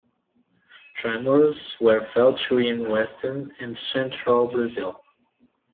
Tremors were felt too in western and central Brazil.